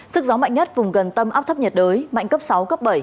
sức gió mạnh nhất vùng gần tâm áp thấp nhiệt đới mạnh cấp sáu cấp bảy